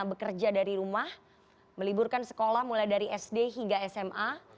bekerja dari rumah meliburkan sekolah mulai dari sd hingga sma